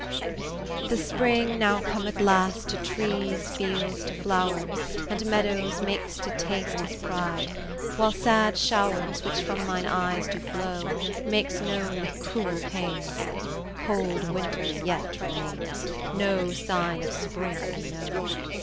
'The Spring now come at last To trees, fields, to flowers, And meadows makes to taste His pride, while sad showers Which from my* eyes do flow Makes known what cruel pains Cold Winter yet remains No sign of spring I* know.